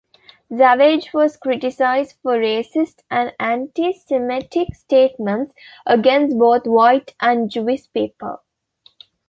Savage was criticised for racist and anti-Semitic statements against both white and Jewish people.